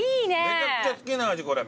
めちゃくちゃ好きな味これ。